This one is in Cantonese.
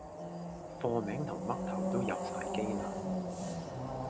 貨名同嘜頭都入哂機啦